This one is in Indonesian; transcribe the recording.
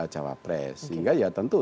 jawa pres sehingga ya tentu